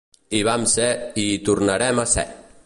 Hi vam ser i hi tornarem a ser!